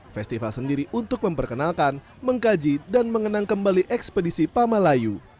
festival sendiri untuk memperkenalkan mengkaji dan mengenang kembali ekspedisi pamalayu